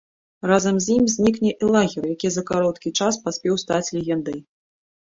Разам з ім знікне і лагер, які за кароткі час паспеў стаць легендай.